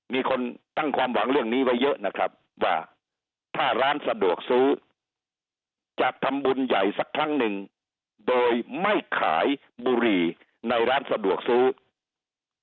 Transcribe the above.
มีคนตั้งความหวังเรื่องนี้ไว้เยอะนะครับว่าถ้าร้านสะดวกซื้อจะทำบุญใหญ่สักครั้งหนึ่งโดยไม่ขายบุหรี่ในร้านสะดวกซื้อ